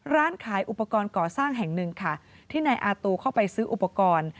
ร้านขายอุปกรณ์ก่อสร้างแห่งหนึ่งค่ะที่นายอาตูเข้าไปซื้ออุปกรณ์